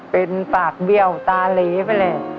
เป็นปากเบี้ยวตาเหลไปเลย